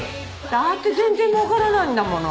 だって全然儲からないんだもの。